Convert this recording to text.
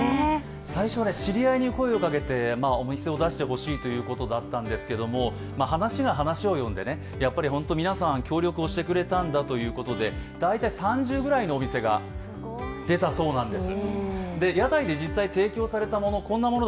最初は知り合いに声をかけてお店を出してほしいということだったんですが話しが話を呼んで、本当に皆さん協力をしてくれたんだということで大体３０くらいのお店が出たそうなんです。